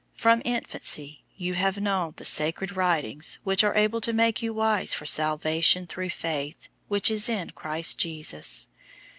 003:015 From infancy, you have known the sacred writings which are able to make you wise for salvation through faith, which is in Christ Jesus.